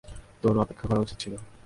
তোর অপেক্ষা করা উচিত ছিল।